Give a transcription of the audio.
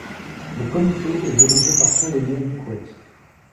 Le Comité est dirigé par Solomon Mikhoels.